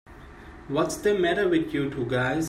What's the matter with you two guys?